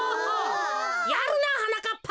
やるなはなかっぱ。